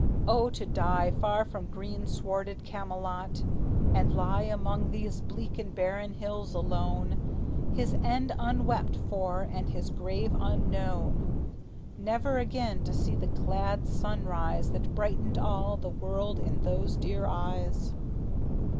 Oh, to die Far from green swarded Camelot, and lie Among these bleak and barren hills alone, His end unwept for and his grave unknown, Never again to see the glad sunrise That brightened all his world in those dear eyes!